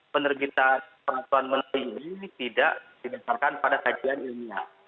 penerbitan peraturan menteri ini tidak didasarkan pada kajian ilmiah